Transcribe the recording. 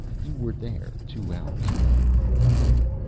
You were there, two hours ago."